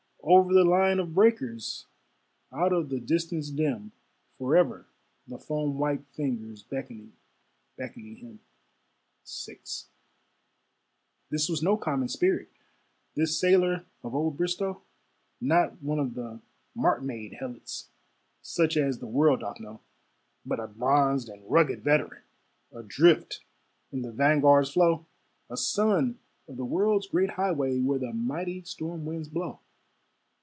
Over the line of breakers, Out of the distance dim; Forever the foam white fingers Beckoning, beckoning him. VI This was no common spirit, This sailor of old Bristowe; Not one of the mart made helots Such as the world doth know; But a bronzed and rugged veteran, Adrift in the vanguard's flow; A son of the world's great highway Where the mighty storm winds blow.